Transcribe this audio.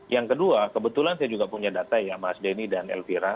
yang kedua kebetulan saya juga punya data ya mas denny dan elvira